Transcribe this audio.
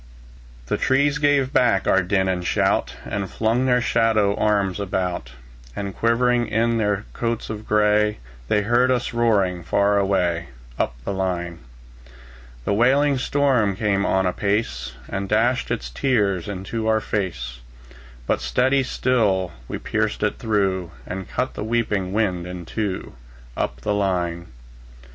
The trees gave back our din and shout, And flung their shadow arms about; And shivering in their coats of gray, They heard us roaring far away, Up the line. The wailing storm came on apace, And dashed its tears into our fade; But steadily still we pierced it through, And cut the sweeping wind in two, Up the line.